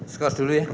skos dulu ya